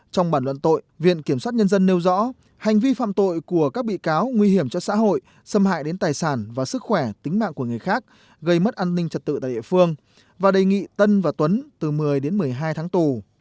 trong bản luận tội viện kiểm soát nhân dân nêu rõ hành vi phạm tội của các bị cáo nguy hiểm cho xã hội xâm hại đến tài sản và sức khỏe tính mạng của người khác gây mất an ninh trật tự tại địa phương và đề nghị tân và tuấn từ một mươi đến một mươi hai tháng tù